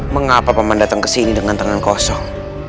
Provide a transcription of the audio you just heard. mengapa paman datang kesini dengan tangan kosong